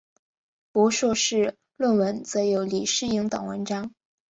博硕士论文则有李诗莹等文章。